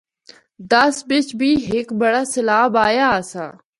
دس بچ بھی ہک بڑا سیلاب آیا آسا۔